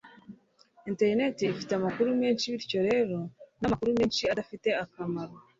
Internet ifite amakuru menshi bityo rero namakuru menshi adafite akamaro